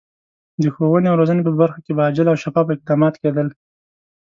د ښوونې او روزنې په برخه کې به عاجل او شفاف اقدامات کېدل.